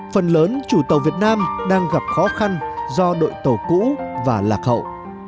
phần lớn chủ tàu việt nam đang gặp khó khăn do đội tàu cũ và lạc hậu